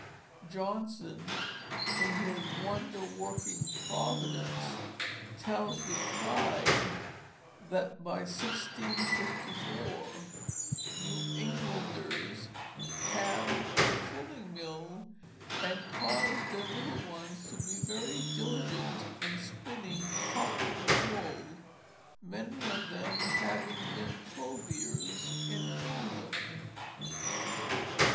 Johnson in his Wonder working Providence tells with pride that by 1654 New Englanders "have a fulling mill and caused their little ones to be very dilligent in spinning cotton woole, many of them having been clothiers in England."